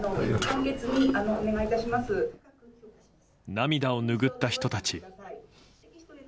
涙をぬぐった人たち。